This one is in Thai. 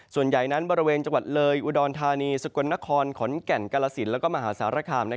ส่วนใหญ่นั้นบริเวณจังหวัดเลยอุดรธานีสกลนครขอนแก่นกาลสินและมหาสารคาม